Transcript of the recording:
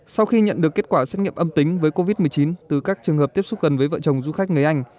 sau khi nhận được kết quả xét nghiệm âm tính với covid một mươi chín từ các trường hợp tiếp xúc gần với vợ chồng du khách người anh